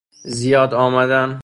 زیاد آمدن